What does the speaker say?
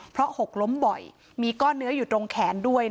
เพราะหกล้มบ่อยมีก้อนเนื้ออยู่ตรงแขนด้วย